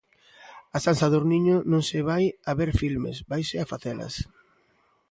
A San Sadurniño non se vai a ver filmes, vaise a facelas.